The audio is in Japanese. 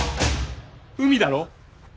海だろ？